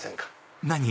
何？